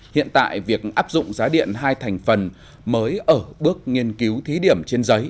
hiện tại việc áp dụng giá điện hai thành phần mới ở bước nghiên cứu thí điểm trên giấy